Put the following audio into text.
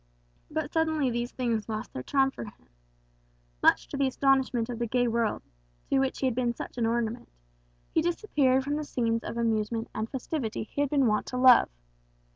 But suddenly these things lost their charm for him. Much to the astonishment of the gay world, to which he had been such an ornament, he disappeared from the scenes of amusement and festivity he had been wont to love.